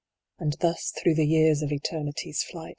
And thus through the years of eternity s flight.